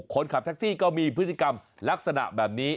คนขับแท็กซี่ก็มีพฤติกรรมลักษณะแบบนี้